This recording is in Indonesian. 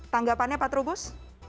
tanggapannya pak trubus